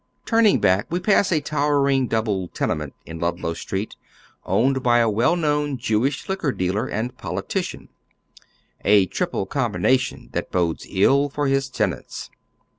Turning back, we pass a towering double tenement in Ludlow Street, owned by a well known Jewish liquor dealer and politician, a triple combination that bodes ill for his tenants.